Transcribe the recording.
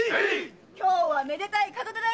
今日はめでたい門出だよ！